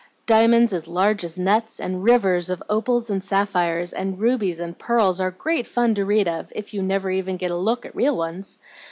Diamonds as large as nuts, and rivers of opals and sapphires, and rubies and pearls, are great fun to read of, if you never even get a look at real ones.